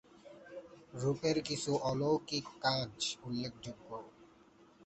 রূপের কিছু অলৌকিক কাজ উল্লেখযোগ্য।